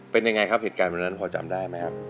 เป็นไงครับเหตุการณ์แบบนั้นพอจำได้มั้ยครับ